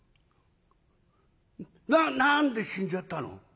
な何で死んじゃったの？